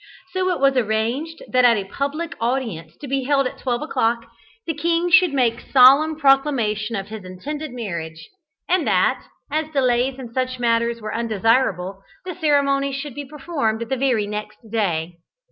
So it was arranged that at a public audience to be held at twelve o'clock, the king should make solemn proclamation of his intended marriage, and that, as delays in such matters were undesirable, the ceremony should be performed the very next day.